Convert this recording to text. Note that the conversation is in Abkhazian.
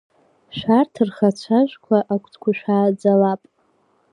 Шәарҭ рхацәажәқәа, акәытқәа шәааӡалап.